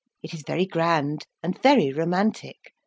It is very grand, and very romantic.